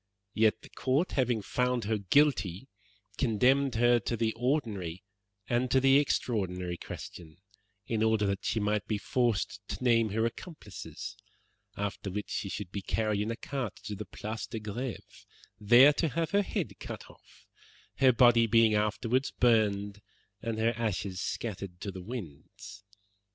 Yet the Court, having found her guilty, condemned her to the ordinary and to the extraordinary question in order that she might be forced to name her accomplices, after which she should be carried in a cart to the Place de Greve, there to have her head cut off, her body being afterwards burned and her ashes scattered to the winds.'